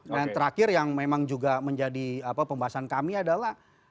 dan terakhir yang memang juga menjadi pembahasan kami adalah